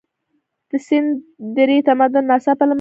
د سند درې تمدن ناڅاپه له منځه لاړ.